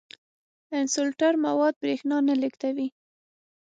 انسولټر مواد برېښنا نه لیږدوي.